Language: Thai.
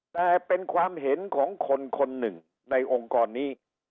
แต่เป็นความเห็นของคนคนหนึ่งในองค์กรนี้